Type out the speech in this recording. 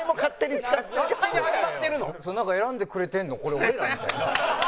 選んでくれてるのこれ俺ら？みたいな。